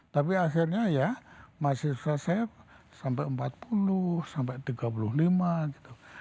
tapi akhirnya ya mahasiswa saya sampai empat puluh sampai tiga puluh lima gitu